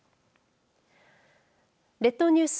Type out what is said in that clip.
列島ニュース